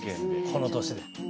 この年で。